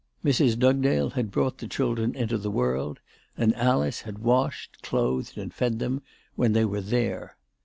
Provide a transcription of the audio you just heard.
Mrs. Dugdale had brought the children into the world, and Alice had washed, clothed, and fed them when they were there.